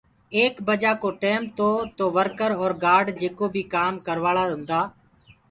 ايڪ بجآ ڪو ٽيم تو تو ورڪر اور گآرڊ جيڪي بي ڪآم ڪروآݪآ هوندآ،